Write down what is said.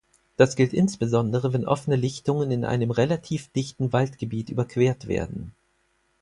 Das gilt insbesondere, wenn offene Lichtungen in einem relativ dichten Waldgebiet überquert werden.